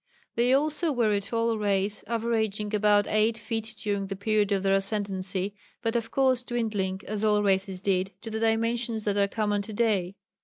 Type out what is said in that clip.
They also were a tall race, averaging about eight feet during the period of their ascendency, but of course dwindling, as all races did, to the dimensions that are common to day.